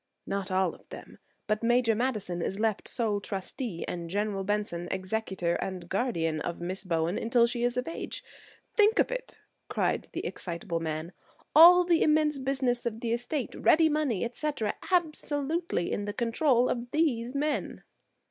"Not all of them; but Major Madison is left sole trustee, and General Benson executor and guardian of Miss Bowen until she is of age. Think of it!" cried the excitable man, "all the immense business of the estate, ready money, etc., absolutely in the control of these men!"